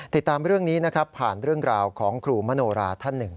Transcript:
ติดตามเรื่องนี้นะครับผ่านเรื่องราวของครูมโนราท่านหนึ่ง